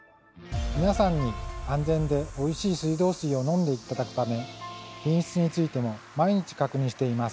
皆さんに安全でおいしい水道水を飲んで頂くため品質についても毎日確認しています。